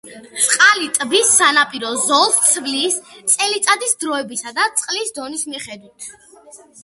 წყალი ტბის სანაპირო ზოლს ცვლის წელიწადის დროებისა და წყლის დონის მიხედვით.